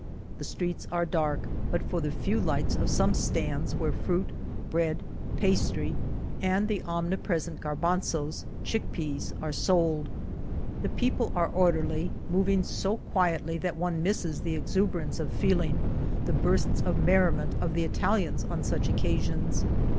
The streets are dark but for the few lights of some stands where fruit, bread, pastry, and the omnipresent garbanzos (chick 129 El Toboso peas) arc sold. The people are or derly, moving so quietly that oae misses the exu berance of feel ing, the bursts of merriment of the Italians on such occasions.